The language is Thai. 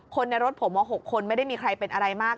ในรถผม๖คนไม่ได้มีใครเป็นอะไรมาก